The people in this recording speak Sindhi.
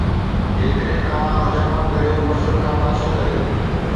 جيڪڏهن توهان حجامہ ڪريو، غسل کان پاسو ڪريو